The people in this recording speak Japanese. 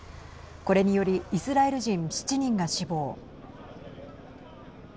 これによりイスラエル人７人が死亡。